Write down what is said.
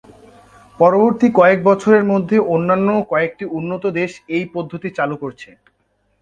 পরবর্তী কয়েক বছরের মধ্যে অন্যান্য কয়েকটি উন্নত দেশ এই পদ্ধতি চালু করেছে।